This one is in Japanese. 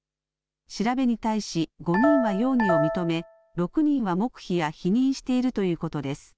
調べに対し５人は容疑を認め６人は黙秘や否認しているということです。